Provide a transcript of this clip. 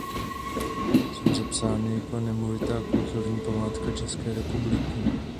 Jsou zapsány jako nemovitá Kulturní památka České republiky.